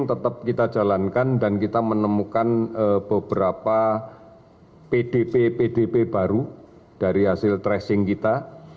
tetap kita jalankan dan kita menemukan beberapa pdp pdp baru dari hasil tracing kita